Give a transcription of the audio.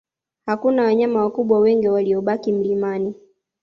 Hakuna wanyama wakubwa wengi waliobaki mlimani